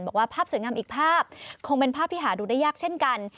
บอกว่าภาพสวยงามอีกภาพคงเป็นภาพที่หาดูได้ยากเช่นกัน